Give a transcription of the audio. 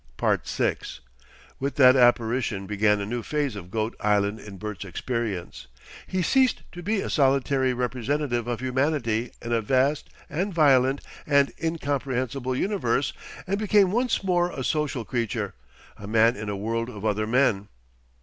6 With that apparition began a new phase of Goat Island in Bert's experience. He ceased to be a solitary representative of humanity in a vast and violent and incomprehensible universe, and became once more a social creature, a man in a world of other men.